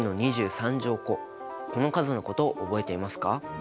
この数のこと覚えていますか？